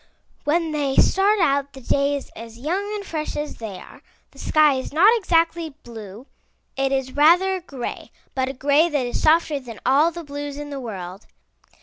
When they start out the day is as young and fresh as they are. The sky is not exactly blue; it is rather a gray, but a gray that is softer than all the blues in the world.